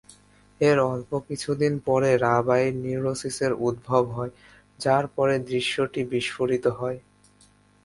এর অল্প কিছুদিন পরেই রাবাইড নিউরোসিসের উদ্ভব হয়, যার পরে দৃশ্যটি বিস্ফোরিত হয়।